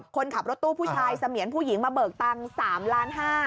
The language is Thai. คนขับรถตู้ผู้ชายเสมียนผู้หญิงมาเบิกตังค์๓ล้าน๕